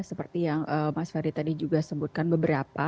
seperti yang mas ferry tadi juga sebutkan beberapa